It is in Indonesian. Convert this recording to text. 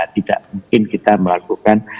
tidak mungkin kita melakukan